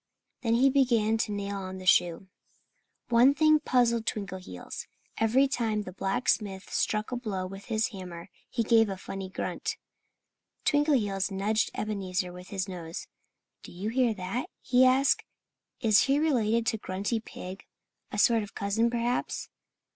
Then he began to nail on the shoe. One thing puzzled Twinkleheels. Every time the blacksmith struck a blow with his hammer he gave a funny grunt. Twinkleheels nudged Ebenezer with his nose. "Do you hear that?" he asked. "Is he related to Grunty Pig a sort of cousin, perhaps?"